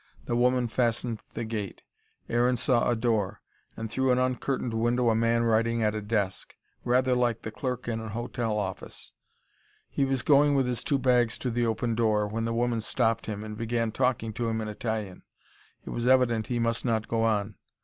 The woman fastened the gate Aaron saw a door and through an uncurtained window a man writing at a desk rather like the clerk in an hotel office. He was going with his two bags to the open door, when the woman stopped him, and began talking to him in Italian. It was evident he must not go on.